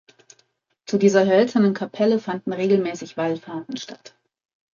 Zu dieser hölzernen Kapelle fanden regelmäßig Wallfahrten statt.